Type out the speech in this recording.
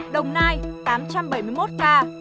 đồng nai tám trăm bảy mươi một ca